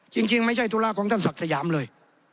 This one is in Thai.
จริงไม่ใช่ธุระของท่านศักดิ์สยามเลย